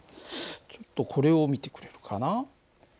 ちょっとこれを見てくれるかな。